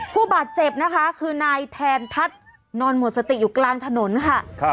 ผู้บาดเจ็บนะคะคือนายแทนทัศน์นอนหมดสติอยู่กลางถนนค่ะ